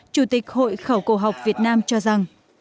chủ tịch hội khảo cổ học việt nam cho rằng